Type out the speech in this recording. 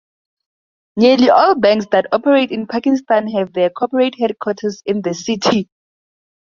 Nearly all banks that operate in Pakistan have their corporate headquarters in the city.